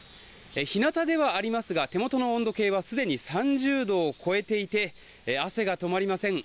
日なたではありますが手元の温度計はすでに３０度を超えていて汗が止まりません。